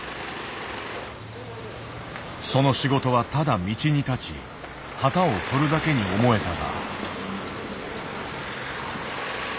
その仕事はただ道に立ち旗を振るだけに思えたが。